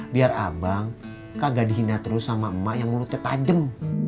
biar abang kagak dihina terus sama emak yang mulutnya tajem